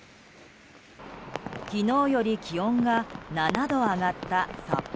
昨日より気温が７度上がった札幌。